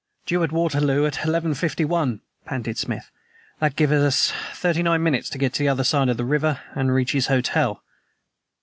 "Due at Waterloo at eleven fifty one," panted Smith. "That gives us thirty nine minutes to get to the other side of the river and reach his hotel."